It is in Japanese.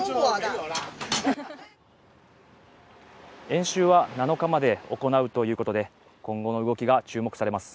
演習は７日まで行うということで今後の動きが注目されます。